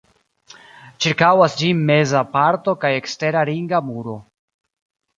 Ĉirkaŭas ĝin meza parto kaj ekstera ringa muro.